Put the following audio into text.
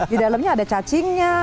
di dalamnya ada cacingnya